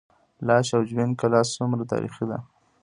لاش او جوین کلا څومره تاریخي ده؟